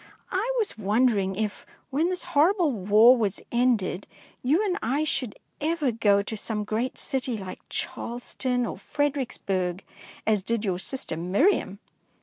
I was wondering if, when this horrible war was ended, you and I should ever go to some great city like Charleston or Fredericksburg, as did your sister Miriam.